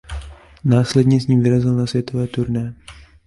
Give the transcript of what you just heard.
Následně s ním vyrazil na světové turné.